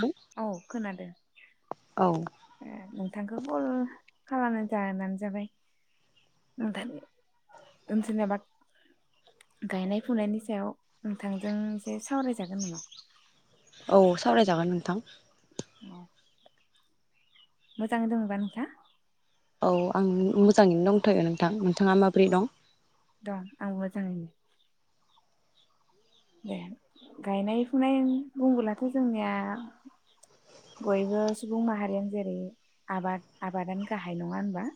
नोंथां औ खोनादों औ ए नों नोंथांखौ कल खालामनाय जानो जाबाय नोंथांनि जेनेबा गायनाय फुनायनि सायाव नोंथांजों एसे सावरायजागोन नामा औ सावरायजागोन नोंथां औ मोजां दोङोबा नोंथाङा औ आं मोजाङैनो दंथारो नोंथां नोंथाङा माबोरै दं दं आं मोजाङैनो दे गायनाय फुनाय बुंबोलाथ' जोंनिया बयबो सुबुं माहारियानो जेरै आबाद आबादानो गाहाय नङा होनबा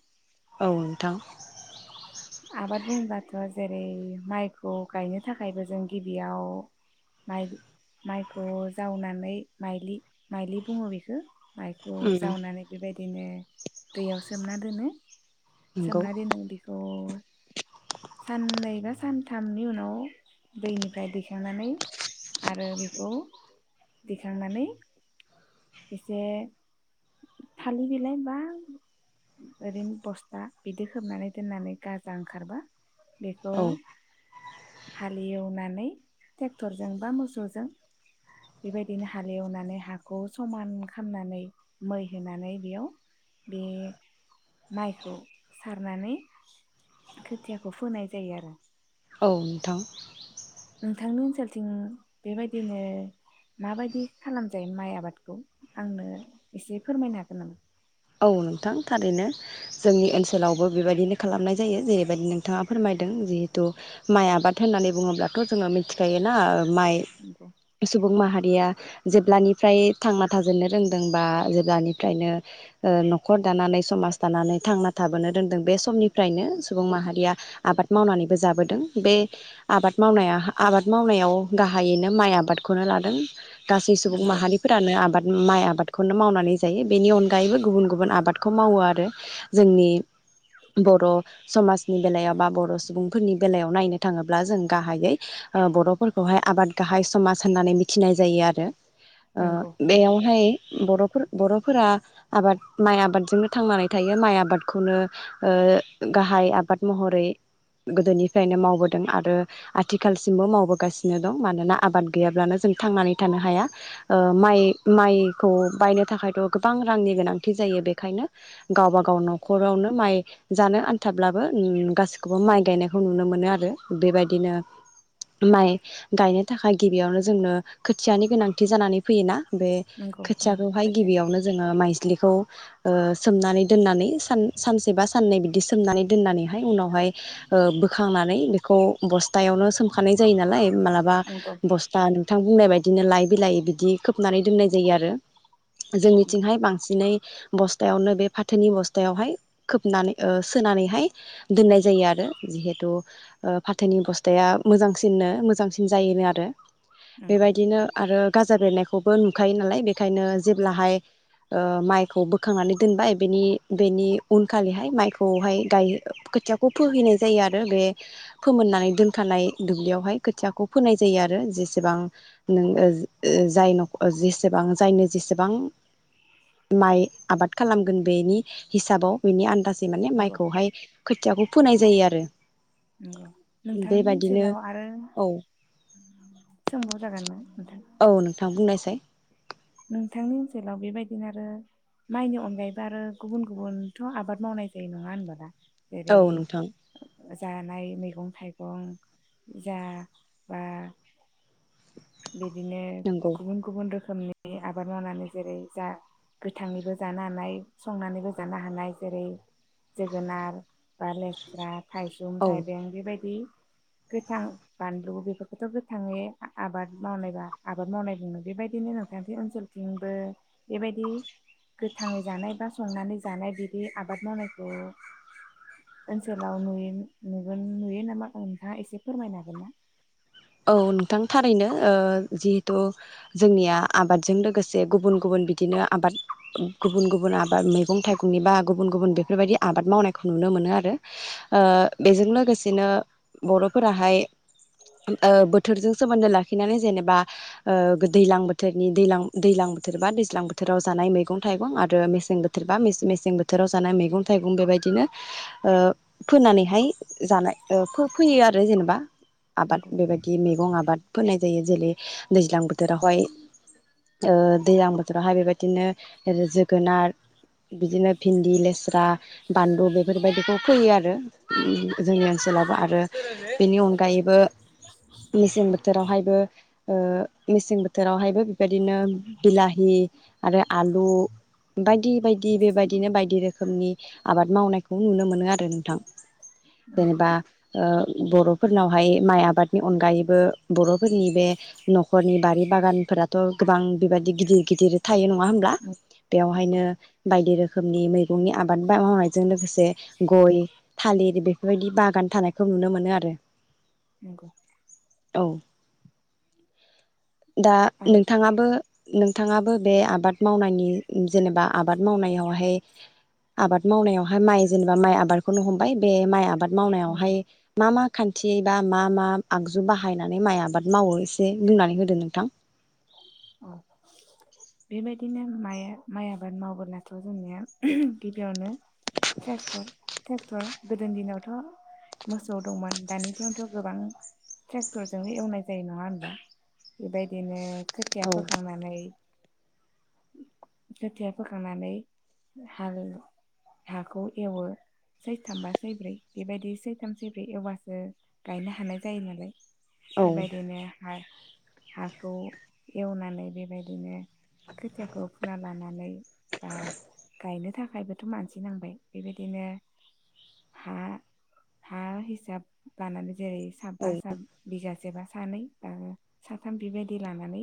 औ नोंथां आबाद बुंब्लाथ' जेरै माइखौ गायनो थाखायबो जों गिबियाव माइ माइखौ जावनानै माइ माइलि बुङो बेखौ माइखौ उम जावनानै बेबायदिनो दैयाव सोमना दोनो नंगौ सोमना दोननाय बेखौ [inaudible] साननै बा सानथामनि उनाव दैनिफ्राय दैखांनानै आरो बेखौ दिखांनानै एसे थालिर बिलाइ बा ओरैनो बस्था बिदि खोबनानै दोननानै गाजा ओंखारबा बेखौ औ हालेवनानै नानै ट्रेक्टरजों बा मोसौजों बेबादिनो हालि एवनानै हाखौ जों समान खालामनानै मै होनानै बेयाव बे माइखौ सारनानै खोथियाखौ फोनाय जायो आरो औ नोंथां नोंथांनि ओनसोलथिं बेबायदिनो माबायदि खालामजायो माइ आबादखौ आंनो एसे फोरमायनो हागोन नामा? औ नोंथां थारैनो जोंनि ओनसोलावबो बेबायदिनो खालामनाय जायो जेरैबायदि नोंथाङा फोरमायदों जिहेथु माइ आबाद होननानै बुङोब्लाथ' जोङो मिथिखायोना ओ माइ नंगौ सुबुं माहारिया जोब लानिफ्राय थांना थाजेननो रोंदों बा जेब्लानिफ्रायनो ओ न'खर दानानै समाज दानानै थांना थाबोनो रोनदों बे समनिफ्रायनो सुबुं माहारिया आबाद मावनानैबो जाबोदों बे आबाद मावनाया आबाद मावनायाव गाहायैनो माइ आबादखौनो लादों। गासै सुबुं नंगौ माहारिफोरानो आबाद माइ आ आबादखौनो मावनानै जायो बेनि अनगायैबो गुबुन गुबुन आबादखौ मावो आरो जोंनि बर' समाजनि बेलायाव बा बर' सुबुंफोरनि बेलायाव नायनो थाङोब्ला जों गाहायै ओ बर'फोरखौहाय आबाद गाहाय समाज होननानै मिथिनाय जायो आरो ओ नंगौ बेयावहाय बर'फोर बर'फोरा आबाद माइ आबादजोंनो थांनानै थायो माइ आबादखौनो ओ गाहाय आबाद महरै गोदोनिफ्रायनो मावबोदों आरो आथिखालसिमबो मावबोगासिनो दं मानोना आबाद गैयाब्लानो जों थांनानै थानो हाया ओ माइ माइखौ बायनो थाखायथ' गोबां रांनि गोनांथि जायो बेखायनो गावबा गाव न'खरावनो माइ जानो आन्थाब्लाबो उम गासिखौबो माइ गायनायखौ नुनो मोनो आरो बेबायदिनो माइ गायनो थाखाय गिबियावनो जोंनो खोथियानि गोनांथि जानानै फैयोना बे नंगौ नंगौ खोथियाखौहाय खोथिया गिबियावनो माइज्लिखौ सोमनानै दोननानै ओ सानसे बा साननै बिदि सोमनानै दोननानैहाय उनावहाय बोखांनानै बेखौ ब ह्तायावनो सोमखानाय जायो नालाय मालाबा नंगौ बस्था बिथां बुंनाय बायदिनो लाइ बिलाइ बिदि खोबनानै दोननाय जायो आरो जों नंगौ थिंहाय बांसिनै ओ बस्थायावनो बे फाथोनि बस्थायावहाय खोबनानै सोनानैहाय दोननाय जायो आरो जिहेथु ओ फाथोनि बस्थाया मोजांसिननो मोजांसिन जायोनो आरो। नंगौ बेबायदिनो आरो गाजा बेरायनायखौबो नुखायो नालाय बे ओंखायनो नंगौ जेब्लाहाय ओ माइखौ बोखांनानै दोनबाय बेनि बेनि उनखालिहाय माइखौहाय गाय खोथियाखौ फोहैनाय जायो आरो बे फोमोननानै दोनखानाय दुब्लियावहाय खोथियाखौ फोनाय जायो आरो जेसेबां नों जाय नख जेसेबां जायनो जेसेबां माइ आबाद खालामगोन बेनि हिसाबाव बिनि आनदा [unintelligible] नंगौ माइखौहाय खोथियाखौ फोनाय जायो आरो नंगौ नोंथांनि बेबायदिनो ओनसोलाव आरो औ सोंबाव जागोनना नोंथां औ [unintelligible] नोंथांनि ओनसोलाव बेबायदिनो आरो माइनि अनगायैबो आरो गुबुन गुबुनथ' आबाद मावनाय जायो नङा होनबा दा औ जेरै नोंथां जानाय मैगं थाइगं जा बा बिदिनो नंगौ गुबुन गुबुन रो [unintelligible] आबाद मावनानै जेरै जा गोथाङैबो जानो हानाय संनानैबो जानो हानाय जेरै जोगोनार बा लेस्रा थाइसुम औ थाइबें बेबायदि गोथां बानलु बेफोरखौथ गोथाङै आबाद मावनायबा आबाद मावनाय बुङो बेबायदिनो नों [unintelligible] ओनसोलथिंबो बेबायदि गोथाङै जानाय बा संनानै जानाय बिदि आबाद मावनायखौ ओनसोलाव नुयो नुगोन नुयो नामा नोंथाङा एसे फोरमायनो हागोन ना औ नोंथां थारैनो ओ जिहेथु जोंनिया आबादजों लोगोसे गुबुन गुबुन बिदिनो आबाद गुबुन गुबुन आबाद मैगं थाइगंनि बा गुबुन गुबुन बेफोरबायदि आबाद मावनायखौ नुनो मोनो आरो ओ बेजों लोगोसेनो बर'फोराहाय ओ बोथोरजों सोमोन्दो लाखिनानै जेनेबा ओ दैलां बोथोरनि दैलां दैलां बोथोरबा दैज्लां बोथोराव जानाय मैगं थाइगं आरो मेसें बोथोरबा मेसें बोथोराव जानाय मैगं थाइगं बेबायदिनो ओ फोनानैहाय जानाय बो फैयो आरो जेनेबा आबाद नंगौ बेबायदि मैगं आबाद फोनाय जायो जेरै दैज्लां बोथोरावहाय ओ दैज्लां बोथोरावहाय बेबायदिनो जोगोनार बिदिनो भिन्दि लेस्रा बानलु बेफोरबायदिखौ फोयो आरो जोंनि ओनसोलावबो आरो बेनि अनगायैबो मेसें बोथोरावहायबो ओ मेसें बोथोरावहायबो बेबायदिनो बिलाहि आरो आलु बायदि बायदि बेबायदिनो बायदि रोखोमनि आबाद मावनायखौ नुनो मोनो आरो नोंथां जेनेबा ओ बर'फोरनावहाय माइ आ आबादनि अनगायैबो बर'फोरनि बे नखरनि बारि बागानफोराथ गोबां बेबायदि गिदिर गिदिर थायो नङा होमब्ला नंगौ बेयावहायनो बायदि रोखोमनि मैगंनि आबाद मावनायजों लोगोसे गय थालिर बेफोरबायदि बागान थानायखौ नुनो मोनो आरो नंगौ औ दा आरो नोंथाङाबो नोंथाङाबो बे आबाद मावनायनि जेनेबा आबाद मावनायावहाय आबाद मावनायावहाय माइ जेनेबा माइ आबादखौनो हमबाय बे माइ आबाद नंगौ मावनायावहाय मा मा खान्थि बा मा मा आगजु बाहायनानै माइ आबाद मावो एसे बुंनानै होदो नोंथां औ बेबायदिनो माइ माइ आबाद मावबोलाथ जोंनिया गिबियावनो ट्रेक्टर ट्रेक्टर गोदोनि दिनावथ मोसौ दंमोन दानि दिनावथ गोबां ट्रेक्टरजों एवनाय जायो नङा होनबा बेबायदिनो खोथिया औ फोखांनानै खोथिया फोखांनानै हाल हाखौ एवो सैथाम बा सैब्रै बेबायदि सैथाम सैब्रै एवबासो गायनो हानाय जायो नालाय औ बेबायदिनो हा हाखौ एवनानै बेबायदिनो खोथियाखौ फुना लानानै बा गायनो थाखायबोथ मानसि नांबाय बेबायदिनो हा हा हिसाब लानानै जेरै साबा औ साब बिगा जेबा सानै साथाम बेबायदि लानानै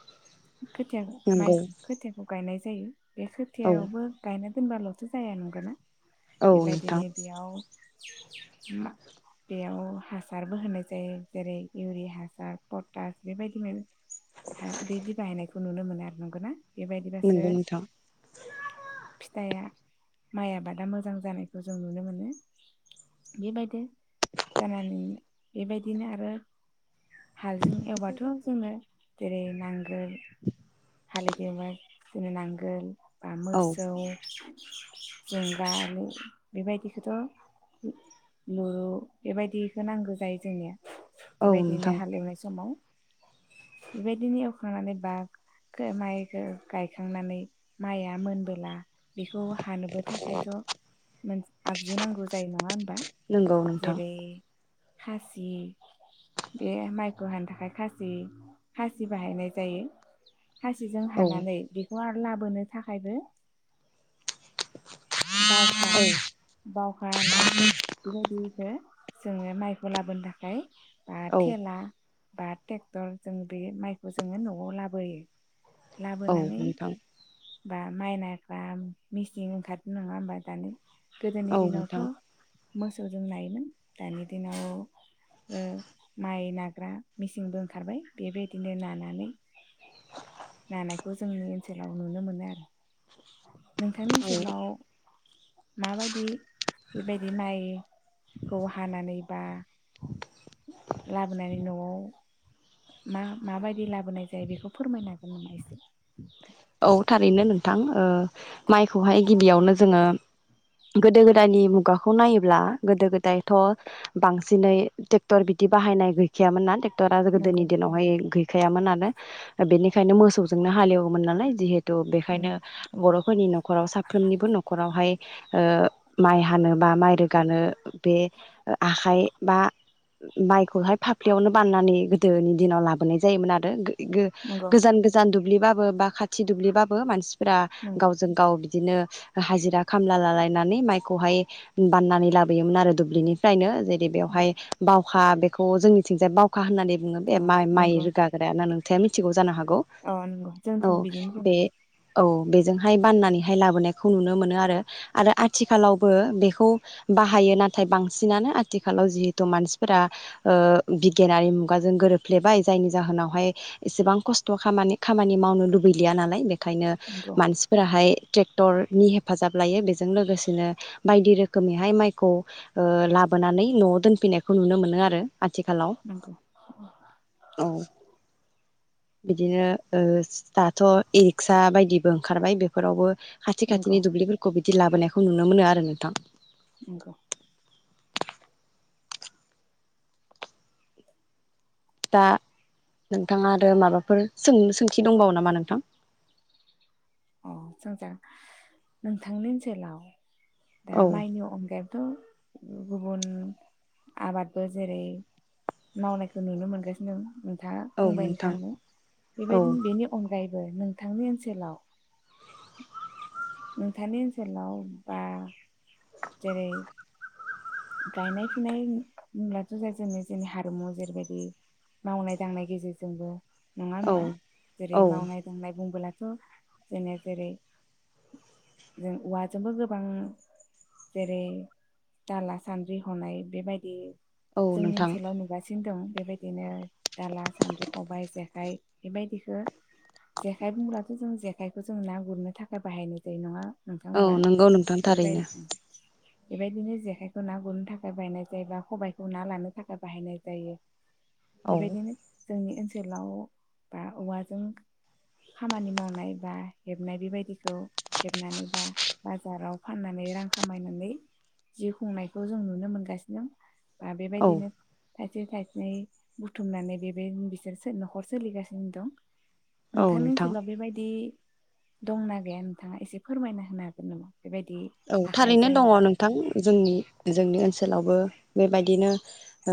[inaudible] खोथियाखौ नंगौ माइखौ खोथियाखौ गायनाय जायो बे औ खोथियावबो गायनो फोनबाल'सो जाया नंगौ ना औ नोंथां बेबायदिनो बेयाव बेयाव हासारबो होनाय जायो जेरै इउरिया हासार पटास बेबायदिनो हे बिदि बाहायनाय खौ नुनो मोनो आरो नंगौ ना बेबायदिबासो नंगौ नोंथां फिथाइया माइ आबादा मोजां जानायखौ जों नुनो मोनो बेबायदि जानानै बेबायदिनो आरो हालजों एवबाथ' जोङो जेरै नांगोल हालेदेबा नांगोल बा औ मोसौ जों दा बेबायदिखौथ' लुरु बेबायदिखौ नांगौ जायो जोंनिया औ बेबायदिनो नोंथां हालेवनाय समाव बेबायदिनो एवखांनानै बा खो माइखो गायखांनानै माइआ मोनबोला बेखौ हानोबो थाखायथ' मोनसे आगजु नांगौ जायो नङा होन नंगौ नोंथां खासि बे माइखौ हानो थाखाय खासि खासि बाहायनाय जायो खाासिजों औ हानानै बि खौ आर लाबोनो थाखायबो बावखा औ बावखा नाम बेबायदिखो जोङो माइखौ लाबोनो थाखाय बा औ थेला बा टेक्टर जों बे माइखौ जोङो न'आव लाबोयो औ लाबोनानै नोंथां बा माइनाग्रा मिसिं ओंखार नङा होमबा दानि गोदोनि औ दिनावथ' नोंथां मोसौजों नायोमोन दानि दिनाव ओ माइ नाग्रा मेसिंबो ओंखारबाय बेबायदिनो नानानै नानाय खौ जोंनि ओनसोलाव नुनो मोनो आरो नोंथांनि औ ओनसोलाव माबायदि बेबायदि माइखौ हानानै बा लाबोनानै न'आव मा मा माबायदि लाबोनाय जायो बेखौ फोरमायनो हागोन नामा एसे औ थारैनो नोंथां ओ माइखौहाय गिबियावनो जोङो गोदो गोदायनि मुगाखौ नायोब्ला गोदो गोदायथ' बांसिनै टेक्टर बिदि बाहायनाय गैखायामोन ना टेक्ट [unintelligible] गोदोनि नंगौ दिनावहाय गै गैयामोन नालाय बेनिखायनो मोसौजोंनो हालेव मोन नालाय जिहेत थ' बेखायनो नंगौ बर'फोरनि न'खराव साफ्रोमनिबो न'खरावहाय ओ माइ हानो बा माइ रोगानो बे आखाइ बा माइखौहाय फाफ्लियावनो बाननानै गोदोनि दिनाव लाबोनाय जायोमोन आरो इ नंगौ गोजान गोजान दुब्लिबाबो बा खाथि दुब्लिबाबो मानसि फोर नंगौ गावजों गाव बिदिनो हाजिरा खामला लालायनानै माइखौहाय बाननानै लाबोयोमोन आरो दुब्लिनिफ्रायनो नंगौ बेदियावहाय बाव खा बेखौ जोंनिथिंजाय बाव होननानै बुङो बे अ माइ माइ रोगाग्राय ना नों या मिथिगौ जानो हागौ। औ नंगौ जों औ बे औ बेजोंहाय बाननानैहाय लाबोनाय खौ नुनो मोनो आरो आरो आथिखालावबो बेखौ। खौ बाहायो नाथाय बांसिनानो आथिखालाव जिहेथु मानसिफोरा बिगियानारि मुगाजों गोरोबफ्लेबाय जायनि जाहोनावहाय एसेबां खस्थ' खामानि खामानि मावनो दुबैलिया नालाय बे ओंखायनो नंगौ मानसिफोराहाय ट्रेक्टरनि हेफाजाब लायो बेजों लोगोसेनो बायदि रोखोमैहाय माइखौ ओ लाबोनानै न'आव दोनफिनायखौ नुनो मोनो आरो आथिखालाव नंगौ औ बिदिनो ओ दाथ' इरिक्सा बायदिबो ओंखारबाय बेफोरावबो खाथि नंगौ खाथिनि दुब्लिफोरखौ बि बिदि लाबोनायखौ नुनो मोनो आरो नोंथां नंगौ दा नोंथाङा आरो माबाफोर सोंनो सोंथि दंबावो नामा नोंथां अ जोंजों नोंथांनि ओनसोलाव दा औ माइनि अनगायै थ' गुबुन आबादबो जेरै मावनायखौ नुनो मोनगासिनो खथा औ बुंबायखा नोंथां ओ औ बेबायदि बेनि अनगायैबो नोंथांनि ओनसोलाव नोंथांनि ओनसोलाव बा जेरै गायनाय फुनाय होम्लाथ' ज जोंनो जोंनि हारिमु जेरैबायदि मावनाय दांनाय गेजेरजोंबो नङा औ होमबा जेरै औ मावनाय दांनाय बुंबोला त जेने जेरै जों औवाजोंबो गोबां जेरै दाला सानद्रि हनाय बेबायदि औ जोंनि नोंथां ओनसोलाव नुगासिनो दं बेबायदिनो दाला सान्द्रि खबाइ जेखाइ बेबायदिखो जेखाइ बुंब्लाथ' जों जेखाइखौ जों ना गुरनो थाखाय बाहायनाय जायो नङा नोंथां औ होमबा नंगौ नोंथां बेबाय थारैनो [unintelligible] बेबायदिनो जेखाइ खौ ना गुरनो थाखाय बाहायनाय जायोबा खबाइखौ ना लानो थाखाय बाहायनाय जायो औ बेबायदिनो जोंनि ओनसोलाव बा औवाजों खामानि मावनाय बा हेबनाय बेबायदिखौ हेबनानै बा बाजाराव फाननानै रां खामायनानै जि खुंनाय खौ जों नुनो मोनगासिनो बा औ बेबायदिनो थाइसे थाइनै बुथुमनानै बेबाय बिसोर न'खर सोलिगासिनो दं औ नोंथांनि नोंथां ओनसोलाव बेबायदि दंना गैया नोंथाङा एसे फोरमायना होनो हागोन नामा बेबायदि औ थारैनो आखाइजों दङ बा नोंथां जोंनि जोंनि ओनसोलावबो बेबायदिनो ओ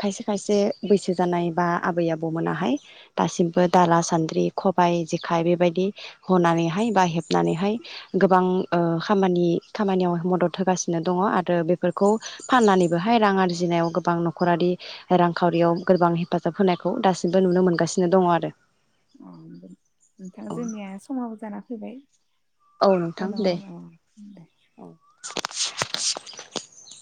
खायसे खायसे बैसो जानाय बा आबै आबौमोनाहाय दासिमबो दाला सान्द्रि खबाइ जेखाइ बेबायदि हनानैहाय बा हेबनानैहाय गोबां ओ खामानि खामानियाव मदद होगासिनो दङ आरो बेफोरखौ फाननानैबोहाय रां आरजिनायाव गोबां नखरारि रांखावरियाव गोबां हेफाजाब होनायखौ दासिमबो नुनो मोनगासिनो दङ आरो नोंथां जोंनिया समाबो जाना फैबाय औ नोंथां दे औ [inaudible]